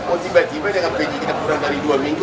oh tiba tiba dengan penyidikan kurang dari dua minggu